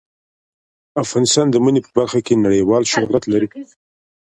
افغانستان د منی په برخه کې نړیوال شهرت لري.